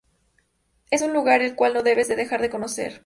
Es un lugar el cual no debes de dejar de conocer.